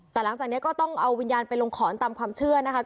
แต่หลังจากนี้ก็ต้องเอาวิญญาณไปลงขอนตามความเชื่อนะคะ